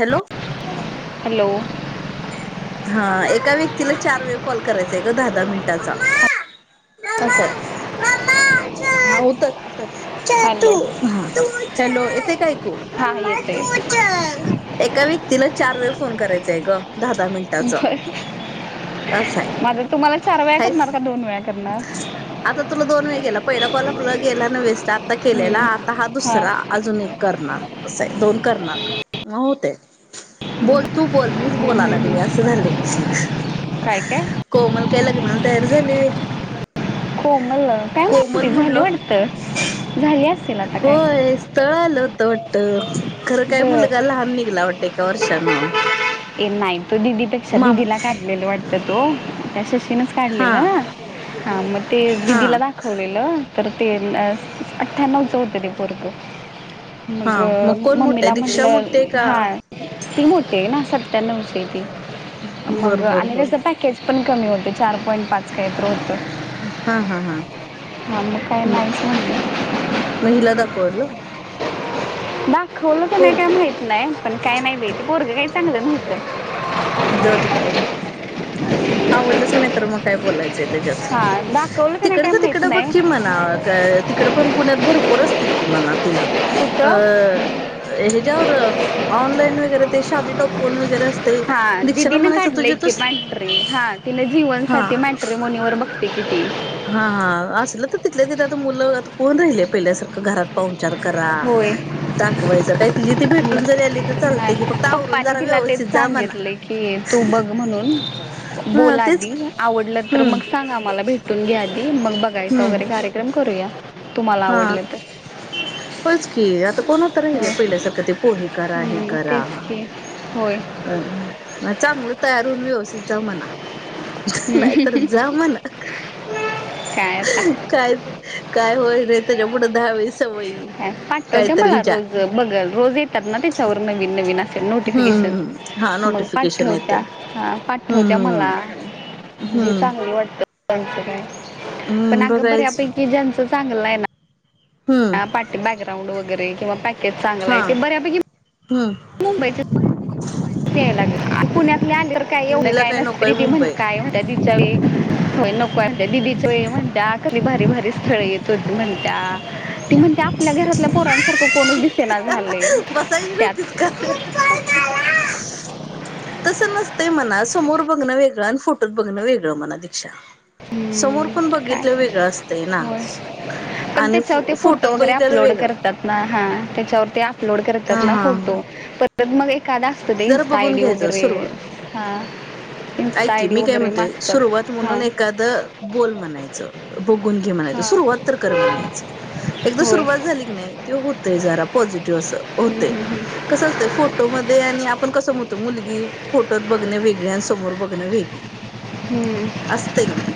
Hello hello हां एका व्यक्तीला चार वेळं कॉल करायचांय कां? दहा दहा मिनिटांचा. हां उत्तर उत्तर. हॅलो हॅलो येते कायं ऐकूं? हां येते आहे. एकां व्यक्तीला चार वेळं फोन करायचांय गं दहा दहा मिनिटं. बसं माझं तुम्हांला चार वेळां करणारं कां दोन वेळां करणारं. आंता तुलां दोन वेळं गेलां पहिला, कॉल आपुंला गेलां नं वेस्ट आंता केलेला हम्म. आंता हां दुसरां. अजूंन एक करणारं असं आहे दोन करणारं नऊ होते. बोलं तूं बोलं मीच बोलांय लागले असं झाले. कायं कायं. कोमल कायं लग्नांला तयारी झालीं आहे. कोमल कायं माहिती झाली वाटतं झाली. असेल आता काय होयं स्थळं आलं होतं वाटतं खरं कायं बरं मुलंगा लहांन निघाला वाढतं. टॉर्च शणंऑन नाहीं तूं दीदी पेक्षां नाहीं दीदीलां काढलेले बाहेर वाटतं. हॅलो तरं तो त्यां शशीनेच हा काढलेलं हां मंग ते हा दिदीला दाखवलेलं. तरं ते अठ्ठ्यांण्णव नऊं चं होते ते पोरगं. मंग हा मग कोण मम्मी मोठे आहे लां दीक्षा म्हटलं मोठी आहे का हां. ती मोठी आहे नां सत्यांनवची आहे ती बर मगं बर आणि बर त्यांचा पॅ तेचं पणं कमी होते चार पॉईंट पांच कायंतरं होतं. हां, हां, हां. हां मंग कायं नायचं म्हणलं. मग हिला दाखवलं दाखवलं कां नाहीं कोम कायं माहित नाहीं पणं कायं नाहीं बाई ते पोरगं कांहीं चांगलं नव्हतं. ते जाऊं तिकडं मगं आवडलंच नाहीं तरं मगं कायं बोलायचंय त्यांच्यात हां दाखवलं. का नाही काय तिकडच माहीत तिकडं बघ नाही कि म्हणावं, काय तिकडं पण पुण्यात भरपूर असतील कि म्हणा तिला. अह. कुठं अह ह्याज्यावर ऑनलाईन वगैरे ते शादी टॉपकॉन वगैरे असतयं. दिदीन काढलंय की मॅट्री. हा तिन हा जीवनसाथी मॅट्ररीमोनी वर बघते की ती. हा हा असल तर तिथल्या तिथे आता मुलं आता कोण राहिलयं पहिल्यासारखं घरात पाहुणचार करा. होय दाखवायच काय तिजी ती भेटून जरी आली तर चालते की फक्त नाही आवरून पप्पानी जरा तिला व्यवस्थित तेच जा म्हणा सांगितले की. तू बघ म्हणून, हा बोल तेच आधी आवडलं तर हम्म मग सांग आम्हाला भेट भेटून घ्या आधी. मग बघायचा हम्म वगैरे कार्यक्रम करूया तुम्हाला आवडलं तर. होयचं की. आता कोण आता राहिल होय पहिल्यासारख ते पोहे करा, हे हम्म, करा. तेच की होय अह अह चांगलं तयार होऊन व्यवस्थित जा म्हणाव. नाय तर जा म्हणाव. काय आता. काय, काय होईल रे. त्याच्या पुढं दहावी सवयी पाठवत्या काहीतरी मला हिच्या रोज बघल रोज येतात ना त्याच्यावर नवीन नवीन असे नोटीफिकेशन. हम्म हा मग नोटिफिकेशन येते पाठवत्या, हा पाठवत्या हम्म मला जी हम्म चांगली वाटते. त्यांचं कायं पण हम्म अग बघायच बऱ्यापैकी ज्यांचं चांगलं आहे ना हम्म. पाठी बॅकग्राऊंड वगैरे किंवा पॅकेज चांगला हा आहे ते बऱ्यापैकी हम्म. मुंबईचे यायला लागलय. अगं पुण्यातले आले तर काय मग एवढं हिला काय नसते. नकोय दीदी म्हण मुंबई काय होतय. दीदी त्यावेळी होय नकोय म्हणते, दिदीच्या वेळी म्हणत्या कसली भारी, भारी स्थळ येत होती म्हणत्या. ती म्हणते आपल्या घरातल्या पोरांसारखं कोणचं दिसेना झालय त्यात. फोन कर त्याला. तसं नसतंय म्हणा. समोर बघणं वेगळं आणि फोटोत बघणं वेगळं म्हणा दीक्षाला. समोर पण काय बघितलं वेगळं असतंय ना होय आणि फो फोटतं बघितलेलं वेगळं. हा हा त्याच्यावरती अपलोड करतात हा ना हा हा फोटो. परत मग एक खादा असूदे ते जरा बघून दाडी घ्यायचं वगैरे सुरुवात हां. इन्स्टा ऐक की, आय डी मी काय वगैरे म्हणतोय मागतात सुरुवात हां म्हणून एकादं द बोल म्हणायचं, बघून घे म्हणायचं, हां सुरुवात तर कर म्हणायचं. एकदा होय सुरुवात हं, झाली की नाही ते होतय जरा पॉझिटिव्ह असं होतंय. हं, हं. कसं असतंय फोटोमध्ये आणि आपण कसं म्हणतो, मुलगी फोटोत बघणे वेगळी आस समोर बघणं वेगळी. हं, असतय की नाही.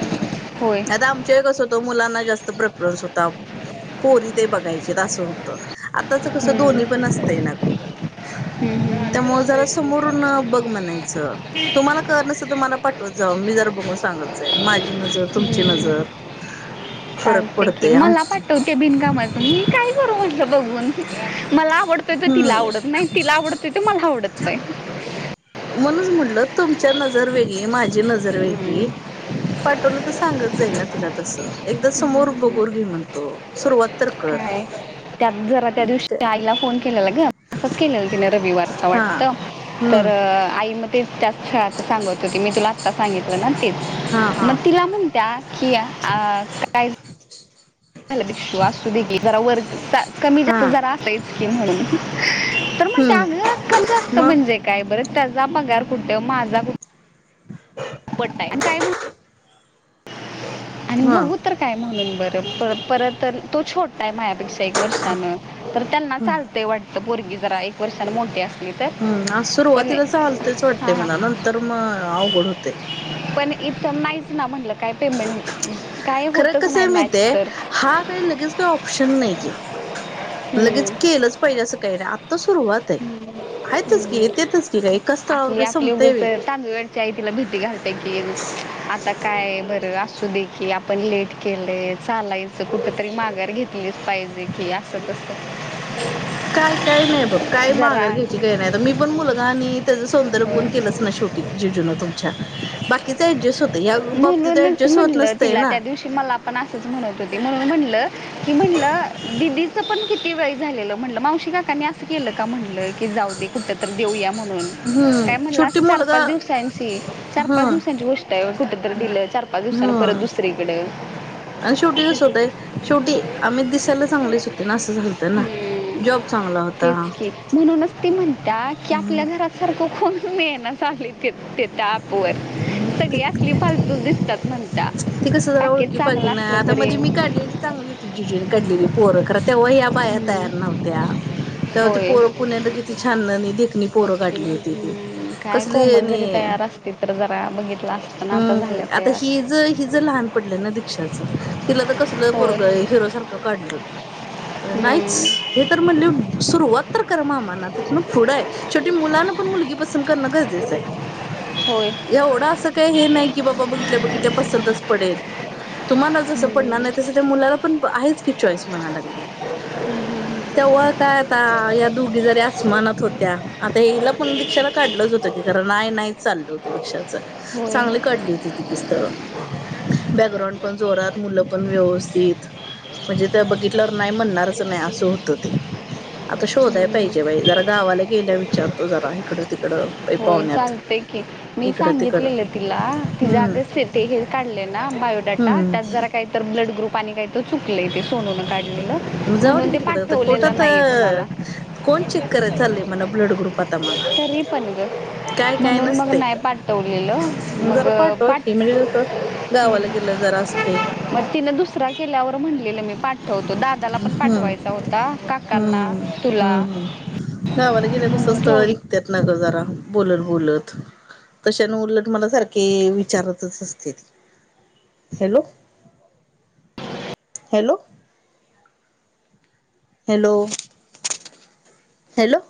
होय आता आम ते कसं होत मुलांना जास्त प्रेफरन्स होता, पोरी ते बघायचेत असं. आताच कसं हं, दोन्ही पण असतंय ना गं. हं, हं, त्यामुळं जरा समोरून अह बघ म्हणायचं. तुम्हाला कळतं नसेल. तर मला पाठवत जावा. मी जरा बघून सांगत जाईन. माझी नजर, तुमची हं. नजर. फरक चालते की. पडतय आम मला पाठव ते बिनकामाच मी काय करू म्हटलं बघून. मला आवडतोय तर तिला हम्म आवडत नाही तिला आवडत ते तर मला आवडत नाही. म्हणूनच म्हटलं, तुमच्या नजरं वेगळी, माझी नजरं हं, वेगळी. पाठवलं तर सांगत जाईन ना तिला तस. एकदा समोर बघून घे म्हणतो सुरुवात तर, कर काय त्यात जरा त्या दिवशी आईला फोन केलेला ग. असच केलेलं तिने रविवारच हा वाटत. तर हम्म आई म त्या खेळाच सांगत होतीत. मी तुला आत्ता सांगितलं ना तेच. हा हा मग तिला म्हणत्यात कि काय. [unintelligible] असू दे की जरा वर कमी हा जास्त जरा असायच की म्हणून तर म्हणते. हम्म चांगल [unintelligible] जास्त मग म्हणजे काय बर त्याचा पगार कुठे माझा कुठ. [unintelligible] काय आणि हा बघू तर बघू तर. काय म्हणून बर पर परत तो छोटाय माझ्यापेक्षा एक वर्षान. तर त्यांना चालतय वाटत पोरगी जरा एक वर्षानं मोठी असली तर हम्म आज पण सुरुवातीला चालतेच वाटते हां हां मला नंत नंतर मग अवघड होतय. पण इथ नाहीच ना म्हणल. खर कसय नाही मॅच माहितीये तर हा काही लगेच काही ऑप्शन नाहीये. हम्म. लगेच केलच पाहिजे अस काही नाही आत्ता सुरुवात आहे. हायतच की येतेतच की काय काय एकाच [unintelligible] काय संपतय व्हय. चांदवडची आई तिला भेटली. घालते की आता काय बर असू देकी आपण लेट केलय चालाय अस कुठ तरी माघार घेतलीच पाहिजे की अस कस. काय काय नाही बघ काय जरा माघार घ्यायची काही नाही मी पण मुलगा आणि त्याच सौंदर्य होय. बघून केलच ना शेवटी. जिजुन तुमच्या बाकीच ऍडजेस्ट होतय या बाबतीत ऍडजेस्ट होत नसतय ना. ती मला पण असच म्हणत होती म्हणल की म्हणल दीदीच पण किती वय झालेल म्हणल मावशी. काकांनी अस केल का म्हणल की जाऊ दे कुठ तरी देऊया म्हणून. हम्म काय शेवटी म्हणलात चार मुलगा पाच दिवसांची चार हा पाच दिवसांची गोष्ट कुठे तरी दिल चार पाच दिवसांनी हा. परत दुसरीकड. आणि शेवटी कस होतय शेवटी आम्ही दिसायला चांगलीच होती ना अस झालत ना. हम्म. जॉब चांगला होता. तेच की म्हणूनच ती म्हणतात की आपल्या घरा सारख कोण मिळणा झालय [unintelligible] होय सगळी ते असली फालतूच दिसतात म्हणता. ते कस जरा पॅकेज ओळखी पाळखी चांगलं न असलं आता तरी मध्ये मी काढलेली चांगली होती जिजून काढलेली पोर खरा तेव्हा ह्या बाया हम्म, तयार. नव्हत्या. तेव्हा ती होय पोर पुण्यात किती छान देखणी पोर बाकी काढली होती ती हम्म, काय कसली कोमल जरी आणि तयार असती तर जरा बघितल असत ना आता झाल्या तयार. हिच जर लहान पडल ना दीक्षाच तिला तर कसल होय पोरग हिरो सारख काढल. नाहीच. हम्म, हे तर म्हणले सुरुवात तर करा मामांना तिथून पुढ आहे शेवटी मुला पण मुलगी पसंत. करण गरजेच होय आहे एवढा अस काही हे नाही की बाबा बघितल्या बघितल्या. पसंतच पडेल. तुम्हाला जस पडणार हम्म, नाही तस त्या मुलाला पण आहेच की चॉईस म्हणायला लागली. तेव्हा काय आता या दोघी जरी आसमानात होत्या आता हिला पण दिक्षाला. काढलच होत की कारण नाही नाहीच चालल होत दीक्षाच होय चांगली काढली होती की स्थळ. बॅकग्राऊंड पण जोरात मुल पण व्यवस्थित. म्हणजे ते बघितल्यावर नाही म्हणणारच नाही अस होत ते. आता शोधाय हम्म. पाहिजे बाई जरा गावाला गेल्यावर विचारतो जरा इकड तिकड. होय चालतय की मी तिकडं सांगितलेल तिला ती हम्म जाग असेल. ते हे काढले ना बायोडाटा हम्म त्यात जरा काही तर ब्लड ग्रुप आणि काही चुकल तेे सोनून काढलेल. जाऊ दे की तिकड कोठात. कुणाला कोण चेक कराय चाललय मला ब्लड ग्रुप आता मला. तरी पण गं म्हणून मग नाय पाठवलेलं मग जरा पाठवा पाठ की म्हणजे कसं गावाला गेलं जरा असतयं. मग तिनं दुसरा केल्यावर म्हणलेलं मी पाठ ठवतो दादाला पण हम्म पाठवायचा होता काकांना हम्म तुला. हम्म गावाला गेल्यावर कसं म्हणून स्थळ ठेवलं निघत्यात ना गं जरा बोलत बोलत तशाने उलट मला सारखे विचारतच असतेत. Hello hello. Hello hello.